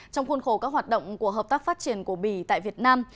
trong khuôn khổ các hoạt động của hợp tác phát triển của bỉ tại việt nam